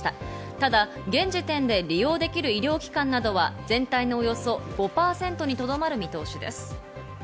ただ現時点で利用できる医療機関などは、全体の予想５％にとどまる見通しです。